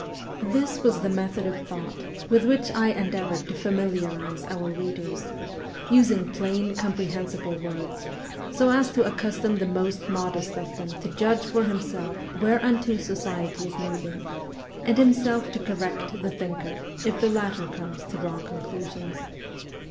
This was the method of thought with which I endeavoured to familiarize our readers using plain comprehensible words, so as to accustom the most modest of them to judge for himself whereunto society is moving, and himself to correct the thinker if the latter comes to wrong conclusions.